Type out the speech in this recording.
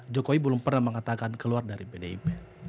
jokowi belum pernah mengatakan keluar dari pdip